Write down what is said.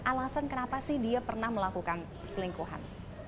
alasan kenapa sih dia pernah melakukan selingkuhan